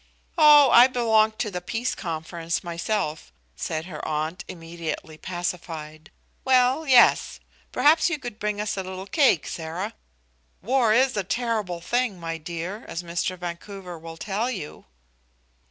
"Oh; I belonged to the Peace Conference myself," said her aunt, immediately pacified. "Well, yes. Perhaps you could bring us a little cake, Sarah? War is a terrible thing, my dear, as Mr. Vancouver will tell you."